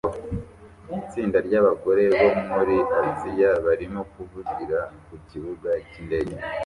Itsinda ryabagore bo muri Aziya barimo kuvugira kukibuga cyindege